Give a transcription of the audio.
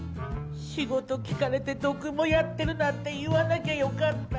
仕事聞かれて読モやってるなんて言わなきゃよかった。